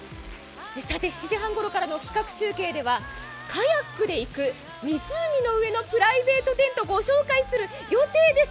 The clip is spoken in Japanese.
さて７時半ごろからの企画中継ではカヤックで行く湖の上のプライベートテントを紹介する予定です。